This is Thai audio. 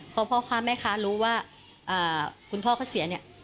พอพ่อค้าแม่ค้ารู้ว่าคุณพ่อเขาเสียเนี่ย